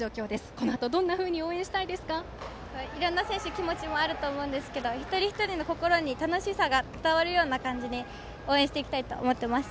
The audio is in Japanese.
このあと、どんなふうに選手にはいろいろな気持ちがあると思うんですけど一人一人の心に楽しさが伝わるように応援していきたいと思っています。